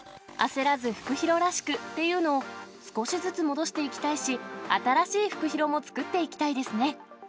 焦らず、フクヒロらしく。っていうのを少しずつ戻していきたいし、新しいフクヒロも作っていきたいですね！